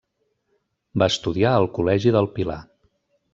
Va estudiar al Col·legi del Pilar.